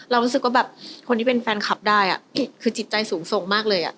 รู้สึกว่าแบบคนที่เป็นแฟนคลับได้คือจิตใจสูงทรงมากเลย